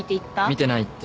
見てないって。